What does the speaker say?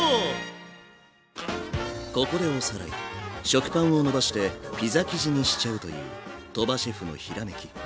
食パンをのばしてピザ生地にしちゃうという鳥羽シェフのひらめき。